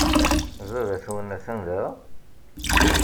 Baba-twen atan da?